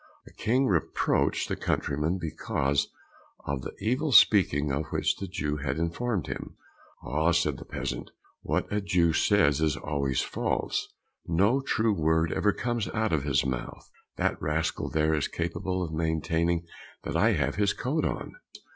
The King reproached the countryman because of the evil speaking of which the Jew had informed him. "Ah," said the peasant, "what a Jew says is always false—no true word ever comes out of his mouth! That rascal there is capable of maintaining that I have his coat on."